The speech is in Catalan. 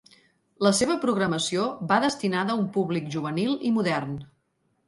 La seva programació va destinada a un públic juvenil i modern.